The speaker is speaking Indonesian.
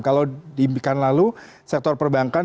kalau diimikan lalu sektor perbankan